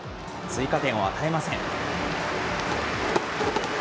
追加点を与えません。